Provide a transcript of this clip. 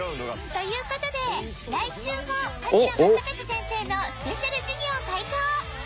という事で来週も桂正和先生のスペシャル授業開講！